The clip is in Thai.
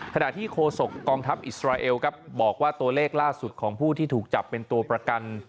ขณะที่โคศกกองทัพอิสราเอลครับบอกว่าตัวเลขล่าสุดของผู้ที่ถูกจับเป็นตัวประกัน